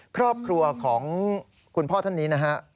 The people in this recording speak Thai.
ครอบครัวของคุณพ่อท่านนี้นะฮะ